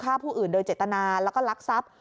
ฆ่าผู้อื่นโดยเจตนาแล้วก็ลักทรัพย์